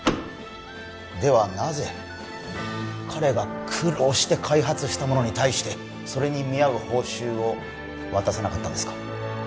ではなぜ彼が苦労して開発したものに対してそれに見合う報酬を渡さなかったんですか？